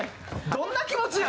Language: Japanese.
どんな気持ちや？